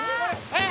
えっ？